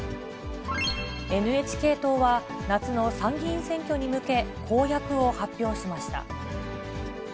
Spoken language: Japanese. ＮＨＫ党は、夏の参議院選挙に向け、公約を発表しました。